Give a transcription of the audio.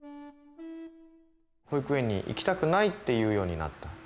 「保育園に行きたくない」って言うようになった。